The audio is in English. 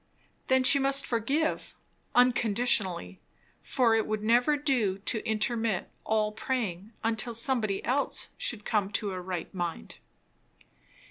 Then she must forgive, unconditionally; for it would never do to intermit all praying until somebody else should come to a right, mind.